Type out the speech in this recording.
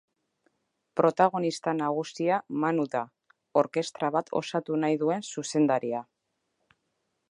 Protagonista nagusia Manu da, orkestra bat osatu nahi duen zuzendaria.